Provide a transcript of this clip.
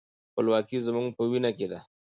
خپلواکي زموږ په وینه کې ده.